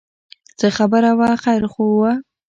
څه خبره وه خیر خو و.